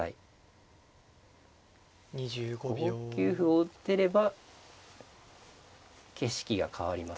５九歩を打てれば景色が変わります。